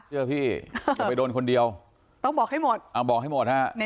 เชื่อพี่อย่าไปโดนคนเดียวต้องบอกให้หมดบอกให้หมดฮะ